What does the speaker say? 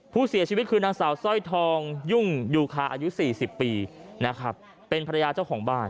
ผู้เสียชีวิตคือนางสาวสร้อยทองยุ่งยูคาอายุ๔๐ปีนะครับเป็นภรรยาเจ้าของบ้าน